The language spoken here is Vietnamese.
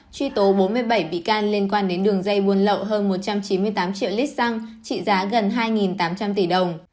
truy tố bốn mươi bảy bị can liên quan đến đường dây buôn lậu hơn một trăm chín mươi tám triệu lít xăng trị giá gần hai tám trăm linh tỷ đồng